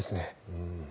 うん。